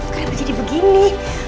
kenapa jadi begini